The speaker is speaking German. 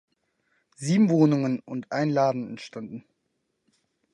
Sieben Wohnungen und ein Laden entstanden.